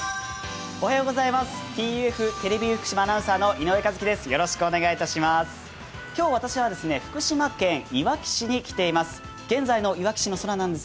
ＴＵＦテレビユー福島アナウンサーの井上和樹です。